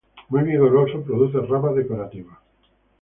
Muy vigoroso, produce ramas decorativas.